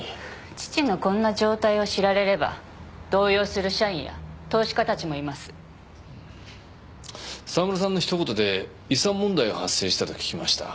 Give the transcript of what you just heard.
父のこんな状態を知られれば動揺する社員や投資家たちもいます沢村さんのひと言で遺産問題が発生したと聞きました